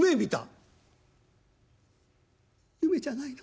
「夢じゃないの。